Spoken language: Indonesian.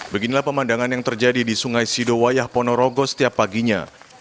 beginilah pemandangan yang terjadi di sungai sidowayah ponorogo setiap paginya